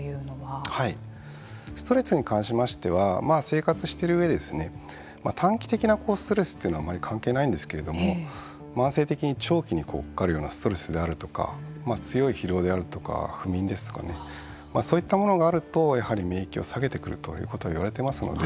ストレスに関しましては生活している上で短期的なストレスというのはあんまり関係ないんですけれども慢性的に長期にかかるようなストレスであるとか強い疲労であるとか、不眠そういったものがあるとやはり、免疫を下げてくるということが言われていますので。